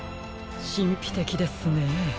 しんぴてきですね。